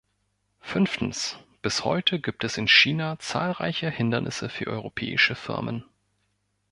Fünftens, bis heute gibt es in China zahlreiche Hindernisse für europäische Firmen.